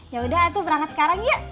yaudah atuh berangkat sekarang ya